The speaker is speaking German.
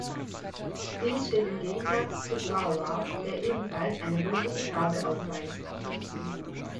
Dies steht im Gegensatz zu Quaoar, der ebenfalls eine rötliche Farbe aufweist.